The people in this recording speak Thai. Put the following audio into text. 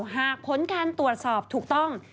หากผลการตรวจสอบถูกต้อง